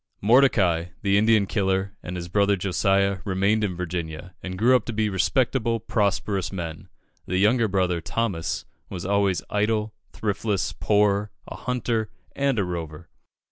Mordecai, the Indian killer, and his brother, Josiah, remained in Virginia, and grew up to be respectable, prosperous men. The younger brother, Thomas, was always "idle, thriftless, poor, a hunter, and a rover."